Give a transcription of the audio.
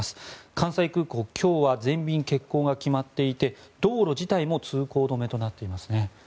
関西空港、今日は全便欠航が決まっていて道路自体も通行止めとなっていますね。